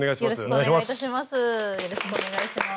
よろしくお願いします。